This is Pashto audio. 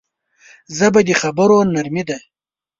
ژبه د خبرو نرمي ده